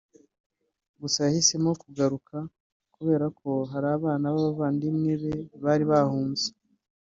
Gusa yahisemo kugaruka kubera ko hari abana b’abavandimwe be bari bahunze